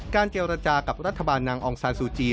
การเจรจากับรัฐบาลนางองศาสุจีย์